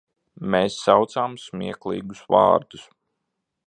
Mēs saucām smieklīgus vārdus.